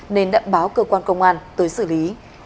nên đã báo cơ quan công an tới xử lý